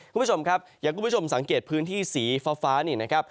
คุณผู้ชมครับอย่างคุณผู้ชมสังเกตพื้นที่สีฟ้านี่นะครับ